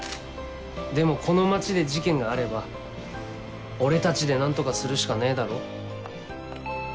でもこの町で事件があれば俺たちで何とかするしかねえだろ。